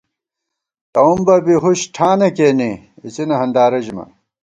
تَؤم بہ بی ہُش ٹھانہ کېنے ، اِڅِنہ ہندارہ ژِمان